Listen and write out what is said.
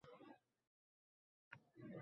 O’ta jiddiy bo‘ldi.